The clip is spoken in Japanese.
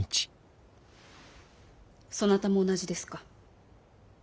そなたも同じですか？